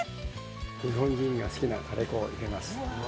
日本人が好きなカレー粉を入れます。